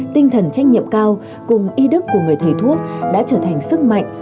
tinh thần trách nhiệm cao cùng y đức của người thầy thuốc đã trở thành sức mạnh